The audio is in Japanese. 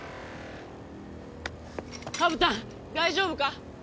カブタン大丈夫か？